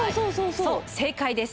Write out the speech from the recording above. そう正解です。